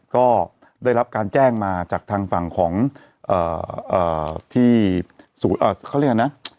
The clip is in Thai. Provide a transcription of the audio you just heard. ก็ได้รับการแจ้งมาจากทางฝั่งของเอ่อเอ่อที่เอ่อเขาเรียกว่านะ